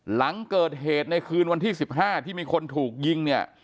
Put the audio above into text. หลังเกิดเหตุในคืนวันที่๑๕ที่มีคนถูกยิงเนี่ย